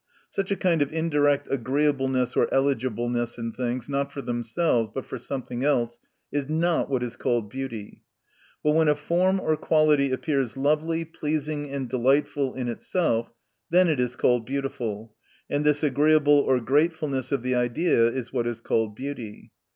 Such a kind of indirect agreeableness or eligibleness in things, not for themselves, but for something else, is not what is called beauty. But when a form or quality appears lovely, pleasing and delightful in itself, then it is called beautiful ; and this agreeableness or gratefulness of the idea is what is called beauty.